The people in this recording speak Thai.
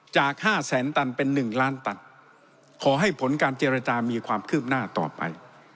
จาก๕แสนตันเป็น๑ล้านตันขอให้ผลการเจรจามีความคืบหน้าต่อไป